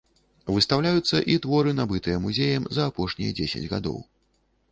Выстаўляюцца і творы, набытыя музеем за апошнія дзесяць гадоў.